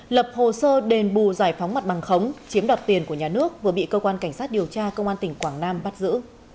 lập hồ sơ đền bù giải phóng mặt bằng khống chiếm đoạt tiền của nhà nước vừa bị cơ quan cảnh sát điều tra công an tỉnh quảng nam bắt giữ